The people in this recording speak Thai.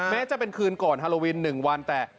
แม้จะเป็นคืนก่อนฮาโลวิน๑วันแต่